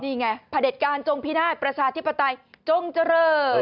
นี่ไงพระเด็จการจงพินาศประชาธิปไตยจงเจริญ